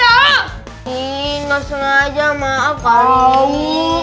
enggak sengaja maaf kali ini